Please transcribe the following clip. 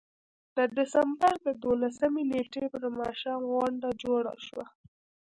د ډسمبر د دولسمې نېټې پر ماښام غونډه جوړه شوه.